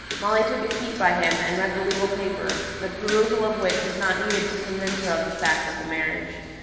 Molly took a seat by him, and read the legal paper, the perusal of which was not needed to convince her of the fact of the marriage.